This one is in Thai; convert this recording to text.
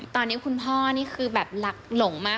ตอนนี้คุณพ่อนี่คือแบบหลักหลงมาก